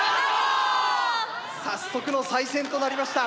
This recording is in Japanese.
早速の再戦となりました。